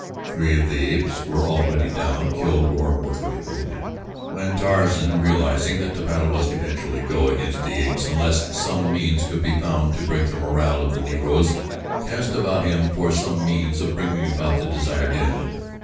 Three of the apes were already down, killed or mortally wounded, when Tarzan, realizing that the battle must eventually go against the apes unless some means could be found to break the morale of the Negroes, cast about him for some means of bringing about the desired end.